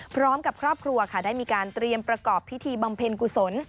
พร้อมกับครอบครัวค่ะได้มีการเตรียมประกอบพิธีบำเพ็ญกุศล